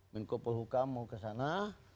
menko polhukam mau ke sana